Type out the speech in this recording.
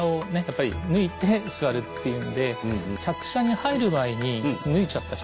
やっぱり脱いで座るっていうんで客車に入る前に脱いじゃった人が結構いて。